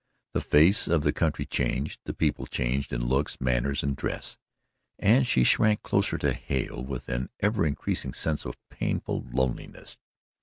The face of the country changed, the people changed in looks, manners and dress, and she shrank closer to Hale with an increasing sense of painful loneliness.